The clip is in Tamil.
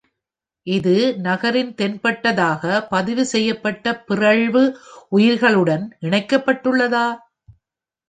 இது நகரில் தென்பட்டதாக பதிவு செய்யப்பட்ட பிறழ்வு உயிரிகளுடன் இணைக்கப்பட்டுள்ளதா?